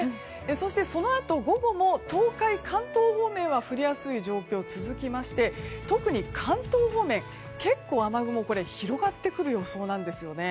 そしてそのあと午後も東海、関東方面は降りやすい状況が続いて特に関東方面結構雨雲が広がってくる予想です。